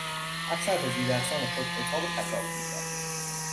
افسر به زیردستان خود عتاب و خطاب میکرد.